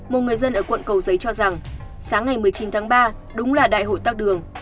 một người dân ở quận cầu giấy cho rằng sáng ngày một mươi chín tháng ba đúng là đại hội tắc đường